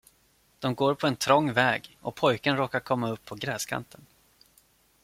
De går på en trång väg, och pojken råkar komma upp på gräskanten.